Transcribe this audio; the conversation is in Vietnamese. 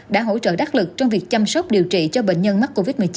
đã hỗ trợ đắc lực trong việc chăm sóc điều trị cho bệnh nhân mắc covid một mươi chín